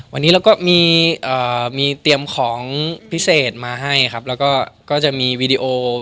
วันนี้เราก็มีมีเตรียมของพิเศษมาให้ครับแล้วก็ก็จะมีวีดีโอ